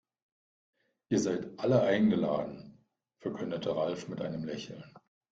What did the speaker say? "Ihr seid alle eingeladen", verkündete Ralf mit einem Lächeln.